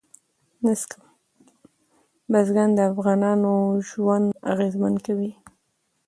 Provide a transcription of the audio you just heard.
بزګان د افغانانو ژوند اغېزمن کوي.